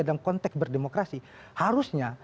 dalam konteks berdemokrasi harusnya